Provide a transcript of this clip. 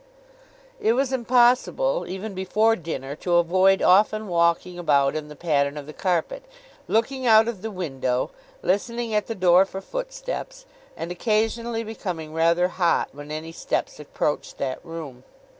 It was impossible, even before dinner, to avoid often walking about in the pattern of the carpet, looking out of the window, listening at the door for footsteps, and occasionally becoming rather hot when any steps approached that room.